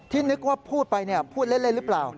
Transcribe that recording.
นึกว่าพูดไปพูดเล่นหรือเปล่า